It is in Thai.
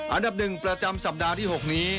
อันดับหนึ่งประจำสัปดาห์ที่หกนี้